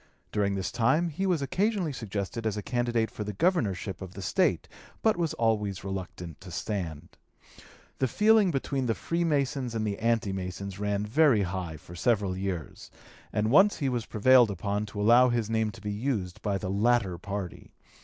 During this time he was occasionally suggested as a candidate for the (p. 226) governorship of the State, but was always reluctant to stand. The feeling between the Freemasons and the anti Masons ran very high for several years, and once he was prevailed upon to allow his name to be used by the latter party.